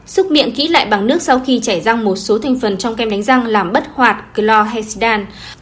xúc miệng kỹ lại bằng nước sau khi chảy răng một số thành phần trong kem đánh răng làm bất hoạt chlorhexidine